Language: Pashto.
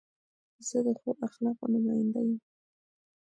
زه د ښو اخلاقو نماینده یم.